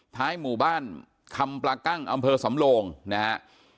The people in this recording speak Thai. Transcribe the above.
หมู่บ้านคำปลากั้งอำเภอสำโลงนะฮะ